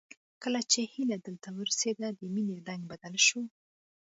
کله چې هيله دلته ورسېده د مينې رنګ بدل شو